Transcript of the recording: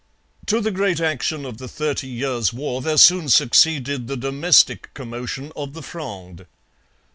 To the great action of the Thirty Years' War there soon succeeded the domestic commotion of the Fronde.